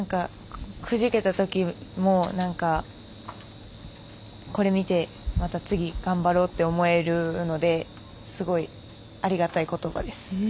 くじけた時もこれ見て、また次頑張ろうって思えるのですごいありがたい言葉です。